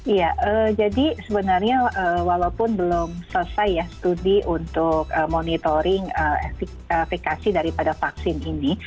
iya jadi sebenarnya walaupun belum selesai ya studi untuk monitoring efekasi daripada vaksin ini